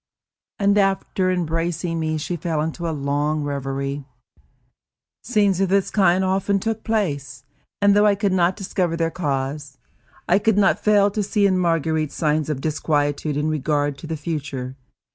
And after embracing me she fell into a long reverie. Scenes of this kind often took place, and though I could not discover their cause, I could not fail to see in Marguerite signs of disquietude in regard to the future.